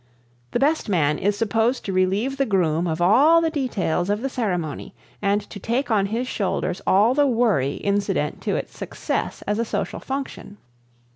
The best man is supposed to relieve the groom of all the details of the ceremony and to take on his shoulders all the worry incident to its success as a social function.